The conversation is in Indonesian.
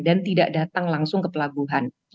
dan tidak datang langsung ke pelabuhan